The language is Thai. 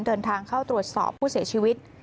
เดินทางเข้าตรวจสอบผู้เสียชีวิต